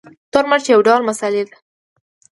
تور مرچ یو ډول مسالې دي